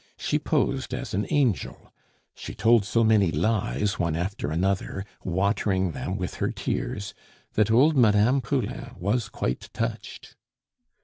She posed as an angel; she told so many lies, one after another, watering them with her tears, that old Mme. Poulain was quite touched.